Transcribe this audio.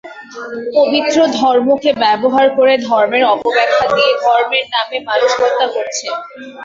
পবিত্র ধর্মকে ব্যবহার করে ধর্মের অপব্যাখ্যা দিয়ে ধর্মের নামে মানুষ হত্যা করছে।